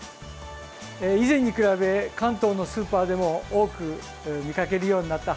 以前に比べ、関東のスーパーでも多く見かけるようになったハモ。